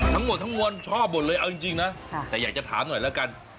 ทั้งหมดทั้งมวลชอบหมดเลยเอาจริงนะแต่อยากจะถามหน่อยแล้วกัน